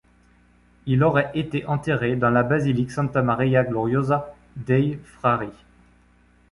Il aurait été enterré dans la basilique Santa Maria Gloriosa dei Frari.